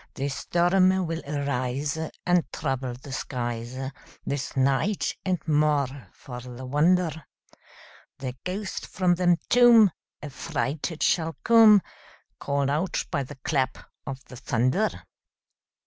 The storm will arise, And trouble the skies This night; and, more for the wonder, The ghost from the tomb Affrighted shall come, Call'd out by the clap of the thunder.